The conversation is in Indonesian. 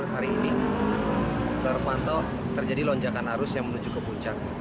hari ini terpantau terjadi lonjakan arus yang menuju ke puncak